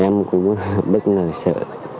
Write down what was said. em cũng bất ngờ sợ